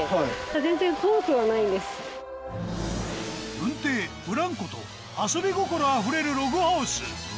うんていブランコと遊び心あふれるログハウス